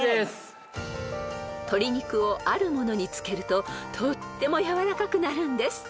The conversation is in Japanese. ［鶏肉をあるものに漬けるととってもやわらかくなるんです］